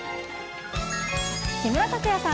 木村拓哉さん。